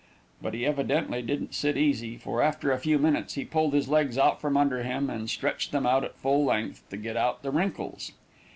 But he evidently didn't sit easy, for after a few minutes, he pulled his legs out from under him and stretched them out at full length, to get out the wrinkles.